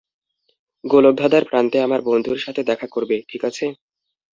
গোলকধাঁধার প্রান্তে আমার বন্ধুর সাথে দেখা করবে, ঠিক আছে?